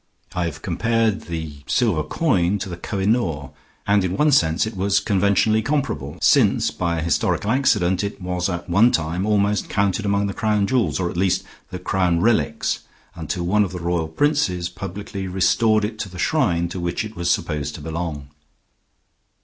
I have compared the silver coin to the Koh i noor, and in one sense it was even conventionally comparable, since by a historical accident it was at one time almost counted among the Crown jewels, or at least the Crown relics, until one of the royal princes publicly restored it to the shrine to which it was supposed to belong.